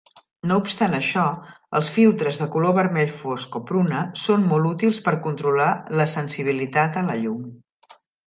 No obstant això, els filtres de color vermell fosc o pruna són molt útils per controlar la sensibilitat a la llum.